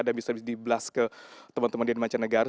dan bisa di blast ke teman teman di mancanegara